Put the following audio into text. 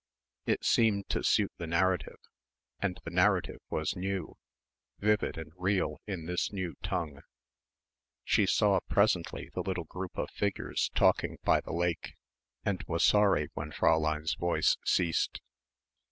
It seemed to suit the narrative and the narrative was new, vivid and real in this new tongue. She saw presently the little group of figures talking by the lake and was sorry when Fräulein's voice ceased.